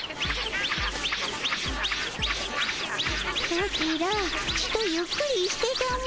ソチらちとゆっくりしてたも。